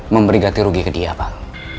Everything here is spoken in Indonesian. memberi ganti rugi ke dia pak